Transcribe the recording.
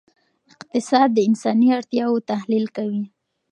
اقتصاد د انساني اړتیاوو تحلیل کوي.